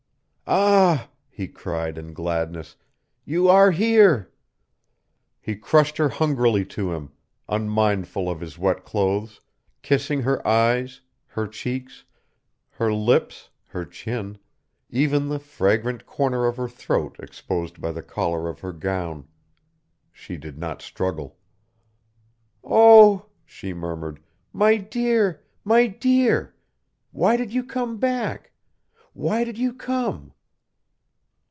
"Ah!" he cried, in gladness; "you are here!" He crushed her hungrily to him, unmindful of his wet clothes, kissing her eyes, her cheeks, her lips, her chin, even the fragrant corner of her throat exposed by the collar of her gown. She did not struggle. "Oh!" she murmured, "my dear, my dear! Why did you come back? Why did you come?"